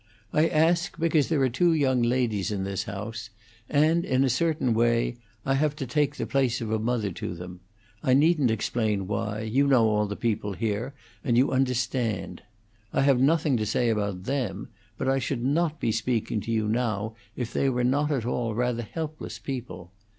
I ask because there are two young ladies in this house; and, in a certain way, I have to take the place of a mother to them. I needn't explain why; you know all the people here, and you understand. I have nothing to say about them, but I should not be speaking to you now if they were not all rather helpless people.